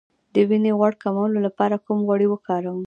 د وینې غوړ کمولو لپاره کوم غوړي وکاروم؟